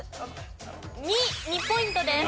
２ポイントです。